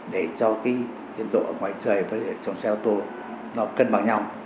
để cho cái tiến độ ở ngoài trời với trong xe ô tô nó cân bằng nhau